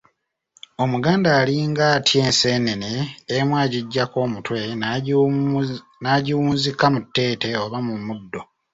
Omuganda alinga atya enseenene emu agiggyako omutwe n'agiwunzika mu tteete oba mu muddo.